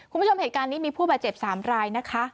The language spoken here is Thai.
คุณผู้ชมเหตุการณ์นี้มีผู้บาดเจ็บ๓รายนะคะ